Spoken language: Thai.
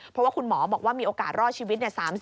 เพราะว่าคุณหมอบอกว่ามีโอกาสรอดชีวิต